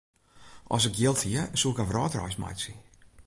As ik jild hie, soe ik in wrâldreis meitsje.